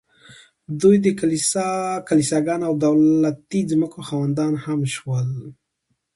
دوی د کلیساګانو او دولتي ځمکو خاوندان هم شول